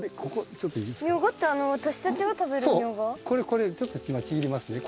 これちょっとちぎりますね。